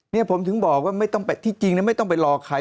เนี่ยผมถึงบอกว่าไม่ต้องไปที่จริงไม่ต้องไปรอใคร